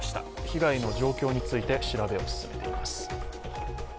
被害の状況について調べを進めています。